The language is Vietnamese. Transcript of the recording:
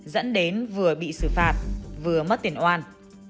dẫn đến vừa bị xử phạt vừa mất tiền oan